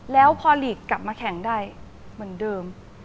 แล้วพอลีกกลับมาแข่งได้เหมือนเดิม